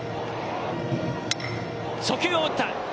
初球を打った。